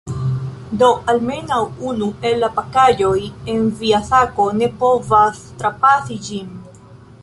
Do, almenaŭ unu el la pakaĵoj en via sako ne povas trapasi ĝin.